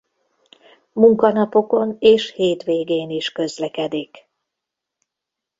Munkanapokon és hétvégén is közlekedik.